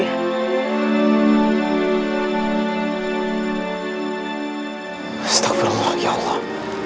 astagfirullah ya allah